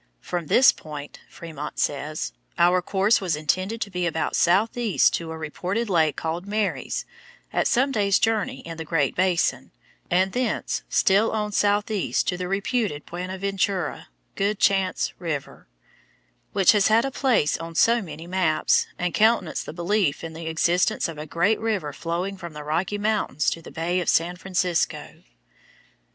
"From this point," Frémont says, "our course was intended to be about southeast to a reported lake called Mary's, at some days' journey in the Great Basin, and thence, still on southeast to the reputed Buenaventura (good chance) River, which has had a place on so many maps, and countenanced the belief in the existence of a great river flowing from the Rocky Mountains to the Bay of San Francisco."